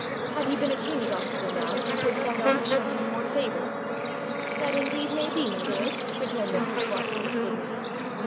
Had he been a king's officer now, wouldst thou not have shown him more favour?' 'That indeed may be, my lord,' returned mistress Watson with dignity.